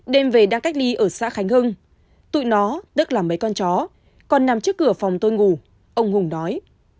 đêm về đang cách ly ở xã khánh hưng tụ nói tức là mấy con chó còn nằm trước cửa phòng tôi ngủ ông hùng nói